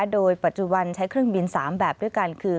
โดยปัจจุบันใช้เครื่องบิน๓แบบด้วยกันคือ